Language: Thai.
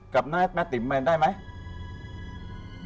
เอาไหมจบกับแม่ติ๋มมันได้ไหม